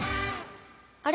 あれ？